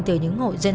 từ những ngội dân